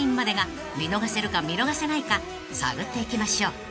［探っていきましょう］